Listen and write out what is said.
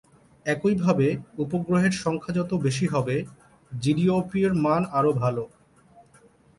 একইভাবে, উপগ্রহের সংখ্যা যত বেশি হবে, জিডিওপি-র মান আরও ভাল।